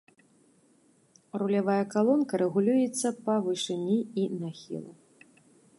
Рулявая калонка рэгулюецца па вышыні і нахілу.